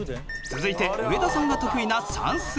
続いて上田さんが得意な算数。